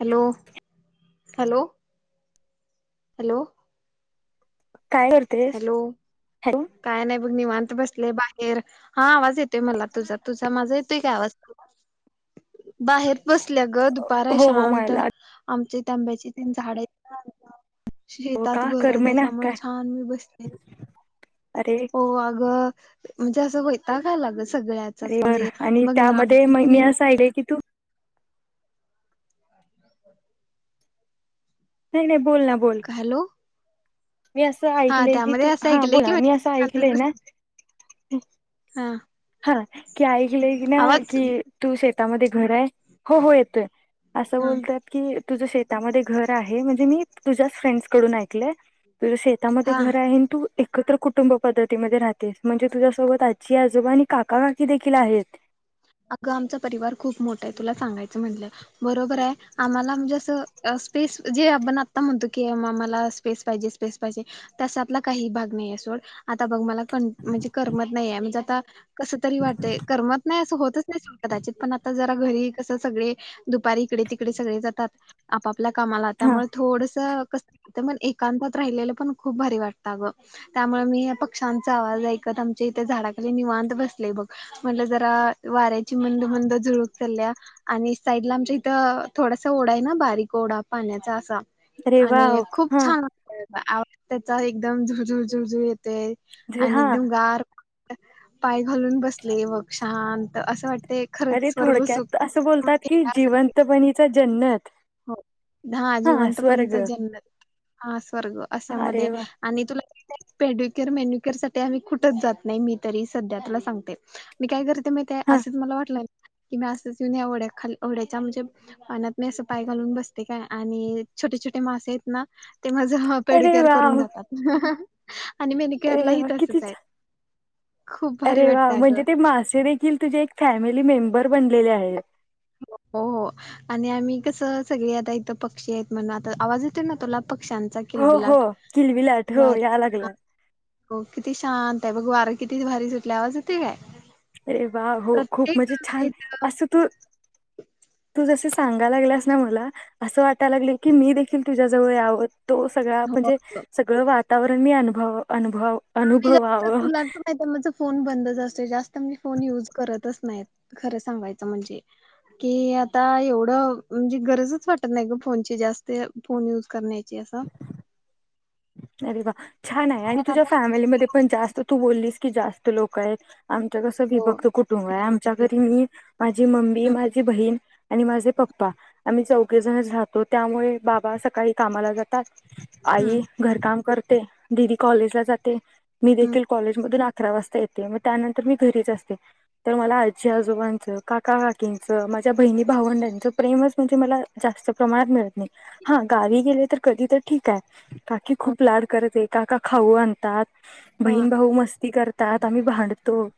Hello hello hello. [inaudible] Hello hello काय नाही बघ निवात. बसले बाहेर हा आवाज येत ते मला तुझा तुझा माझा ते काय वाजत बाहेर बसल्या ग दुपार हो हो शांत मला आमचे आब्याची तेन झाड आहेत [inaudible] हो शेतात का घर आहे करमे ना त्याच्यामुळे काय छान मी अरे हो अग म्हणजे असं वैताग अला ग. सगळ्याचाच अरे बर म्हणजे आणि बघ ना त्यामध्ये मग मी किती असं आहिलय की तू नाही नाही बोल ना बोल [inaudible] हॅलो मी असं हा ऐकलंय की तू त्यामध्ये असं हां ऐकलंय की बोला मी असं ऐकलंय ना हम् हां हा की ऐकलंय की ना की तू शेतामध्ये घर आहे हो हो येतोय. असं हा बोलतात की. तुझं शेतामध्ये घर आहे म्हणजे मी तुझ्याच फ्रेंडस कडून ऐकलय. तुझ शेतामध्ये हा घर आहे आणि तू एकत्र कुटुंब पद्धतीमध्ये राहतेस म्हणजे तुझ्यासोबत आजी आजोबा आणि काका काकी देखील आहेत. अगं आमचा परिवार खूप मोठा आहे तुला सांगायचं म्हटलं. बरोबर आहे आम्हाला म्हणजे असं स्पेस जे आपण आता म्हणतो की आम्हाला स्पेस पाहिजे स्पेस पाहिजे त्याशतला काही भाग नाही आहे सोड आता बघ मला क म्हणजे करमत नाही आहे म्हणजे आता कस तरी वाटत करमत नाही असं होत. दा पण आ ज घरी कस सग दुपारी इकडे तिकडे सग जातात आप आपल्या कामाला हा त्यामुळे थोडसं एकांतात राहिलेलं पण खूप भारी वाटतं ग त्यामुळे मी पक्ष्यांचा आवाज ऐकत आमच्या इथे झाडाखाली निवांत बसले बघ म्हटलं जरा वारे ची मंद मंद झुरूकतल्या आणि साईड ला आमच्या इथं थोडासा ओढा आहे ना बारीक ओढा पाण्याचा असा अरे वाव आणि खूप हा छान आवाज त्याचा एकदम झुजू झुजू येत. ते जे आणि हा एकदम गार. पाय घालून बसले बघ शानत असं वाटत अरे थोडक्यात असं बोलतात की जिवंत बणीचा जन्नत हो [inaudible] हा स्वर्ग जिवंतपणीचा जन्नत हा स्वर्ग असशा म अरे वा आणि तुला पेड्युकअर मेन्युकअर साठी आम्ही कुठच जात नाही मी तरी सध्या तला सांगते मी काय करते म हा असं मला वाटलं कि मी असंच जुन्या ओढ्या खाली ओढ्याच्या म्हणजे पानात मी असं पाय घालून बसते काय आणि छोटे छोटे मासे आहेत ना ते माझं ह अरे पेडीकअर वा करून देतात आणि अरे मेनिकेरयला ही वा किती तसच आहेत छान. अरे वा म्हणजे ते मासे देखील तुझे एक फॅमिली मेंबर बनलेले आहेत हो हो आणि आम्ही कस सगळी आता इथं पक्षी आहेत म्हण आता आवाज येते ना तुला पक्ष्यांचा हो हो किलबिलाट किलविलाट हो या लागला किती शांत ते बघ वारं किती भारी सुटल्या आवाज येते काय अरे वा हो खूप प्रत्येक म्हणजे आमच्या छान इथं असं तू तू जस सांगा लागलास ना मला असं वाटायला लागले की मी देखील तुझ्याजवळ यावत तो सगळा हो म्हणजे सगळं वा तवरण मी अनभव अनुभव आ जास्त अनुभवावं तू लागतो माहि माझ फोन बंद असत जास्त आता मी फोन युज करतच नाही खरं सांगायच म्हणजे की आता एवढं म्हणजे गरजच वाटत नाही ग फोनची जास्त फोन युज करण्याची कस अरे वा छान आहे आणि तुझ्या आता फॅमिलीमध्ये पण जास्त तू बोललीस की जास्त लोक आहेत आमच कसं हो. विभक्त कुटुंब आहे आमच्या घरी मी माझी मम्मी माझी बहीण आणि माझे पप्पा आम्ही चौघेजण राहातो त्यामुळे बाबा सकाळी कामाला जातात हम्म आई काम करते दिदी कॉलेज ला जाते मी हम्म देखील कॉलेज मधून अकरा वाजता येते मग त्यानंतर मी घरीच असते तर मला आजी आजोबांचं काका काकींचं माझ्या बहिणी भावंडांचं प्रेमच म्हणजे मला जास्त प्रमाणात मिळते हा गावी गेले तर कधीतरी ठीक आहे काकी हा खूप लाड करते. काका खाऊ आणतात. हा बहीण भाऊ मस्ती करतात. आम्ही भांडतो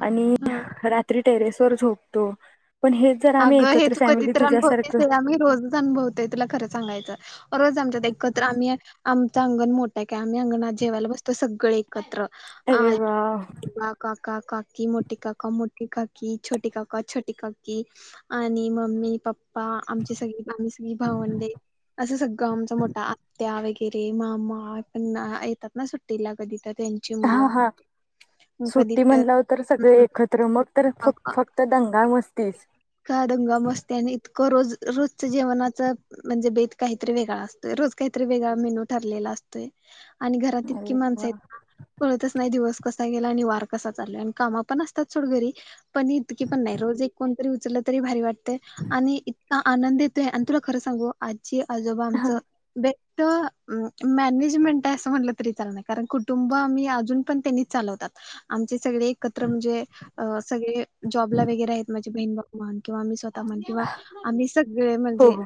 आणि हा. रात्री टेरेस वर झोपतो. पण हेच जर आम्ही अगं हे एकत्र तू फॅमिली कधीतर अनुभवतीस तुझ्यासारखं ते आम्ही रोजच अनुभवतोय तुला खरं सांगायचंय. रोज आमच्या एकत्र आम्ही अंगण मोठा आहे क आम्ही अंगणात जेवायला बसतो, सगळे एकत्र. अरे आज वा! आजोबा, काका काकी, मोठी काका मोठी काकी, छोटे काका छोटी काकी. आणि मम्मी पप्पा आमची सगळी आम् सगळी भावंडे असं सगळं आमचा मोठा आत्या वग रे मामा पण येतात ना सुट्टीला कधी तरी हा हा सुट्टी म्हटल्यावर तर सगळे हम्म. एकत्र मग तर फ फक्त दंगा मस्तीच दंगा मस्त्याने रज रोज जेवणाच म्हणजे बेत काहीतरी वेगळा असतोय रोज काहीतरी वेगळा मेनू ठरलेला असतोय. आणि घरात अरे इतकी माणसं वा आहेत कळतच नाही दिवस कस आणि वार कसा चाल आणि काम पण असतातोड घरी पण इतकी पण नाही रोज एक कोणतरी उलं तरी भारी वाटते आणि इतका आनंद येतोय आणि तुला खरं सांगू आजोबा आमच मॅनेजमेंट आहे असं म्हटलं तरी चाल कारण कुटुंब आम्ही अजून पण त्यांनी चालवतात आमचे सगळे एकत्र म्हणजे सगळे जॉबला वगर आहेत माझी बहीण बा किंवाम् स्व किंवा आम्ही सगळे हो म्हणजे हो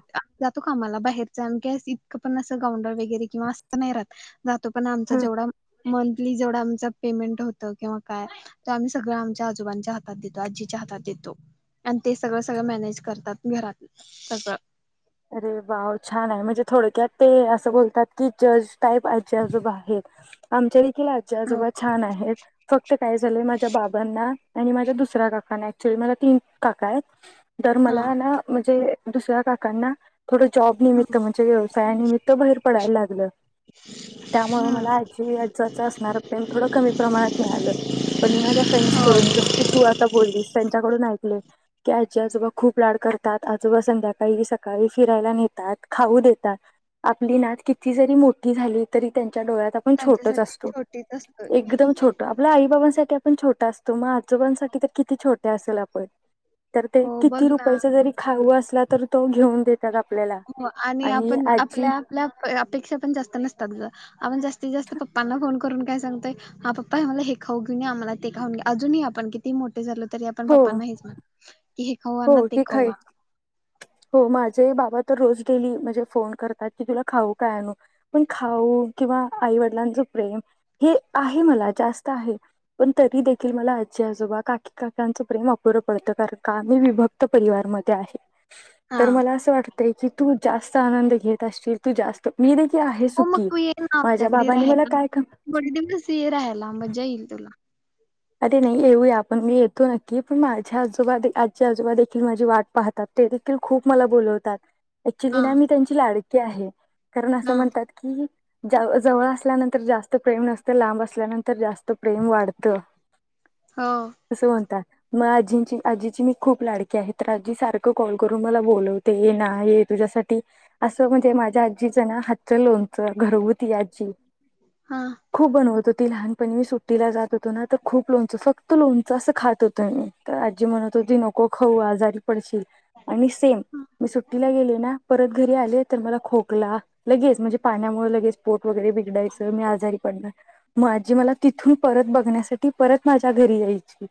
तू का आम्हाला बाहेरचा आणखी इतकं पण असं ग्रउंडर वगैरे किंवा असं नाही राहात जातो पण आमचा हं. जेवढा मंथली जेवढं आमच पेमेंट होतं किंवा काय तर आम्ही सगळं आमच्या आजोबांच्या हातात देतो आजीच्या हातात देतो आणि ते सगळं सगळं मॅनेज करतात घरात सगळं अरे वाव छान आहे म्हणजे थोडक्यात ते असं बोलतात की जज टाईप आजीजबाहेर आमच्या अखिील आज्ी हो आजोबा छान आहेत फक्त काय झालं माझ्या बाबांना आणि माझ्या दुसऱ्या काकाना ऍक्च्युली मा्या तीन काका आहेत तर हा मला ना म्हणजे दुसऱ्या काकांना थोडं जॉब हम्म निमित्त म्हणजे व्यवसायानिमित्त बाहेर पडायला लागलं त्यामु मला हम्म आजी आजाच असणार प्रेम थोडं कमी प्रमाणात मिळालं पण मी माझ्या फ्रेंडस कडून जस की तू आता बोललीस त्यांच्याकडून ऐकले की आजी आजोबा खूप लाड करतात आजोबा संध्याकाळी सकाळी फिरायला नेतात खाऊ देतात आपली हो नाद किती जरी मोठी झाली तरी त्यां डोळ्यात आपण छोटच त्यांच्यासाठी असतो छोटीच असतोय एकदम छोट आपल्या आई बाबांसाठी आपण छोट असतो तुम्हा उद्योगांसाठी तर कितीछोट ते असेल आपण तर ते हो बघ किती ना रुपयाच जरी खा अस नाहीतर तो घेऊन दे. हो आणि आपण आपल्या आपल्या अपेक्षा पण जास्त नसतात. आपण जास्ती जास्त पप्पांना फोन करून काय सांगतय. हा पप्पा हे आ मला हे खाऊ घेऊे आंम्हाला, ते खाऊ घ अजूनही आपण किती मोठ [unintelligible] झालं तरी आपण हो पप्पांना [unintelligible] कि हे खावा ना हो ते ठीक आहे. खावा हो माझे बाबा तर रोज डेली म्हणजे, फोन करतात. की तुला खाऊ काय आणू पण खाऊ किंवा आई वडिलांच प्रेम हे आहे मला जास्त आहे. पण तरी देखील मला आजी, आजोबा, काकी, काकांच प्रेम बरं पडत कारण काम मी विभक्त परिवार म त्या आहे. हा तर मला असं वाटतय, की तू जास्त आनंद घेत असचील. हो, मग तू ये ना माझ्या आमच्याकडे बाबांनी मला राहायला, काय ख थोडे दिवस ये राहायला मजा येईल तुला. अरे नाही! येऊया, आपण मी येतो नक्की पण माझ्या आजोबा आज आजोबा देखील माझी वाट पाहतात. ते देखील खूप मला बोलवतात. ऍक्च्युली हा ना मी त्यांची लाडकी की आहे. कारण असं हा म्हणतात की, जवळ असल्यानंतर जास्त प्रेम नसते, लांब असल्यानंतर जास्त [unintelligible] प्रेम वाढतं. हो. [unintelligible] मग आजींची आजीची मी खूप लाडकी आहेत. तर आजी सारखं कॉल करून मला बोलवते. ये ना ये तुझ्यासाठी असं म्हणजे, माझ्या आजीच ना हातच लो घर होती [unintelligible] हा खूप बनवत लहानपणी सुट्टीला जात होते, ना तर खूप लोणचं फक्त लोणचं असं खात होतं, आजी म्हणत होती नको खाऊ आजारी पडशील आणि सेम मी सुट्टीला गेले, ना परत घरी आले तर मला खोकला लगेच म्हणजे पाण्यामुळे लगेच पोट वगैरे बिघडायचं मी आजारी पडणार माझी मला तिथून परत बघण्यासाठी ती परत माझ्या घरी यायची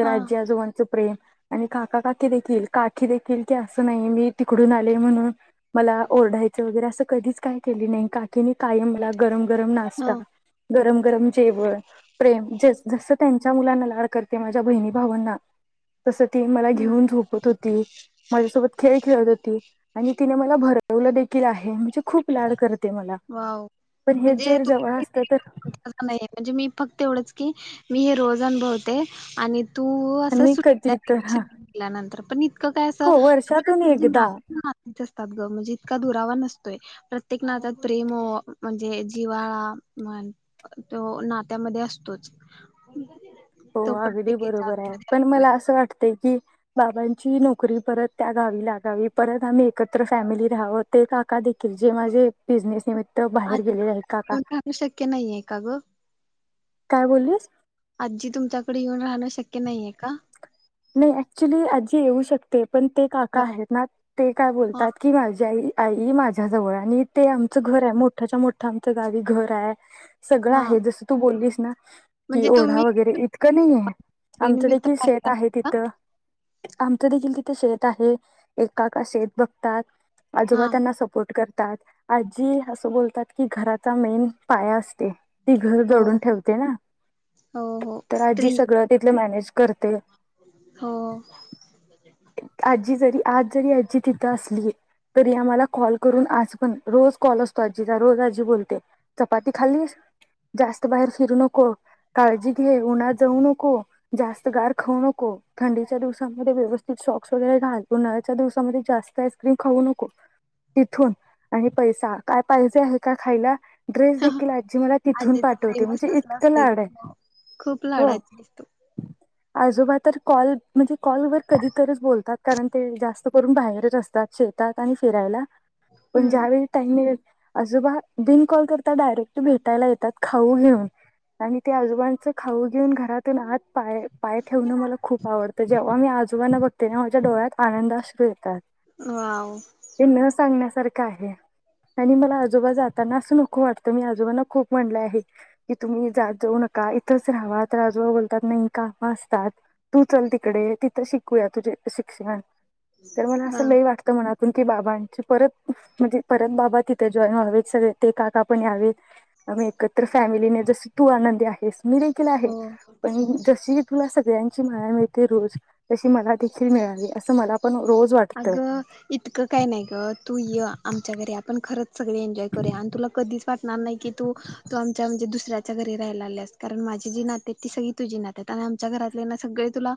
हा राज्य आजोबांचं प्रेम आणि काका काकी देखील काकी देखील की असं नाही मी तिकडून आले म्हणून मला ओढायचं वगैरे असं कधीच काय केली नाही काकीने काय मला गरम गरम हा नाश्ता गरम गरम जेवण प्रेम जसं त्यांच्या मुलांना लाड करते माझ्या बहिणी भावांना तसं ती मला ह घेऊन झोपत होती माझ्यासोबत खेळ खेळत होती आणि तिने मला भरवलं देखील आहे म्हणजे खूप लाड करते मला वाह पण हे म्हणजे जर तु जवळ असत नाही म्हणजे मी फक्त एवढंच की मी हे रोज अनुभवते आणि तो तर असं मी कधी तर हा सुटलाशनल्यानंतर पण इतकं काय असं हो आपल्या वर्षातून म्हणजे ना एकदा नाच असतात ग म्हणजे इतका दुरावा नसत ते प्रत्येक नात्यात प्रेम म्हणजे जिवाळा म्ह तो नात्यामध्ये असतोच हो तो अगदी प्रत्येकीच्या बरोबर आहे आतमध्ये पण असतोय मला असं वाटत कि बाबांची नोकरी परत त्या गावी लागावी परत आम्ही एकत्र फॅमिली राहाहवो ते काकाील कि जे माझे बिझनेस निमित्त आज बाहेर गेलेले आहेत का का येऊन राहणं शक्य नाहीये का ग काय बोललीस आजी तुमच्याकडे येऊन राहणं शक्य नाहीये का नाही ऍक्च्युली आजी येऊ शकते पण ते काका आहेत ना ते काय हा बोलतात की माझ्या आई आई माझ्याजवळ आणि ते आमचं घर आहे मोठ्याच्या मोठं आमचं गावी घर आहे सगळं हा आहे जसं तू बोललीस कि म्हणजे ओढा तुम्ही वगैरे इतकं नाही आहे आमचं निमित्त देखील शेत पाहिला आहे का तिथं आमचं देखील तिथे शेत आहे एकाका शेत बघतात हा आजोबा त्यांना सपोर्ट कर आजी असं बोलतात की घराचा मेन पाया असते ती घर हो जोडून ठेवते ना हो हो तर आजी स्त्री सगळं तिथ मॅनेज करते हो आजी जरी आज जरी आजी तिथं असली तरी आम्हाला कॉल करून आज पण रोज कॉल असतो आजीचा रोज आजी बोलते चपाती खाल्लीस, जास्त बाहेर फिरू नको, काळजी घे, उन्हात जाऊ नको, जास्त गार खाऊ नको [unintelligible] थंडीच्या दिवसामध्ये व्यव सॉक्स वगैरे घाल उन्हाळ्याच्या दिवसामध्ये जास्त आईस्क्रीम खाऊ नको तिथून आणि पैसा काय पाहिजे आहे का खायला ड्रेस देखील आजी मला तिथून आजीचं पाठवते प्रेमच म्हणजे तसलं इतकं असतंय लाड आहेत ग खूप हो. लाडाची असतो आजोबाज तर कॉल म्हणजे कॉलवरर कधीतरच बोलतात कारण ते जास्त करून बाहेरच असतात शेतात आणि फिरायला पण हम्म ज्या वेळी टाईम मिळेल आजोबा बिन कॉल करता डायरेक्ट भेटायला येतात खाऊ घेऊन आणि ते आजोबांच खाऊ घेऊन घरातून आत पाय -पाय ठेवण मला खूप आवडते जेव्हा मी आजोबांना बघते तेव्हा माझ्या डोळ्यात आहे पाण्याचा संडास पीळतात वाव ते न सांगण्यास तर काय हे त्यांनी मला आजोबा जाताना अस नको वाटत मी आजोबाला खूप म्हटले आहे मी की तुम्ही जाऊ नका इथेच राहावा तर आजोबा बोलतात काम असतात तू चल तिकडे तिथं शिकूया तुझे शिक्षण तर मला हा असं लई वाटतं मनात पण ती बाबांची परत म्हणजे परत बाबा तिथे जॉईन व्हावेेत सगळे ते काका पण यावेेत आम्ही एकत्र फॅमिलीने जस तू आनंदी आहेस. मी देखील आहे हो पण मी जशी तुला सगळ्यां ची माया मिळते रोज तशी मला देखील मिळाली असती पण [unintelligible] मला पण रोज वाटतंय अगं इतकं काय नाही ग तू य आमच्या घरी आपण खरच सगळे एन्जॉय करूया आणि तुला कधी वाटणार नाही की तू, तू आमच्या म्हणजे दुसऱ्या आमच्या घरी राहायला आल्यास कारण माझी जी नाती आहेत ती सगळी तुझी नाती आहेत आमच्या घरातले ना सगळे तुला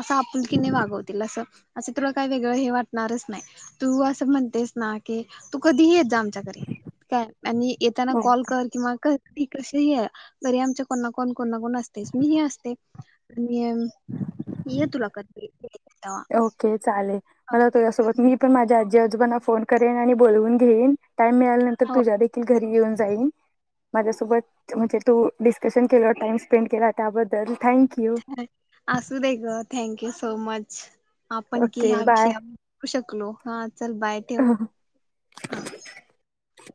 असा आपुलकीने वागवतील असं तुला काय वेगळ हे वाटणारच नाही तू अस म्हणतेस ना कि तू कधी जा आमच्या घरी काय आणि येताना कॉल कर किंवा कर ती कशी ही ये घरी आमच्या कोणा -कोण- कोणा कोण असतेस मी ही असते [unintelligible] ये तुला एक ते एक [unintelligible] ओके चालेल मला तुझ्या सोबत मी पण माझ्या आजी आजी आजोबांना फोन करेन आणि बोलवून घेईन टाइम मिळाल्या नंतर हो तुझ्या देखील घरी येऊन जाईल [inaudible] माझ्यासोबत म्हणजे तू डिस्कशन केलं टाइम स्पेंड केला त्याबद्ल असू दे ग थँक यू सो मच अच्छा आपण कि ओके ह्या बाय. विषया बोलू शकलो हा चल बाय ठेव हा च